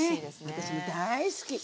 私も大好き！